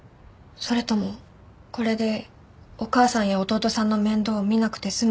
それともこれでお母さんや弟さんの面倒を見なくて済むと思ったのかな？